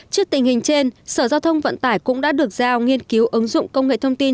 trước tình hình trên sở giao thông vận tải cũng đã được giao nghiên cứu ứng dụng công nghệ thông tin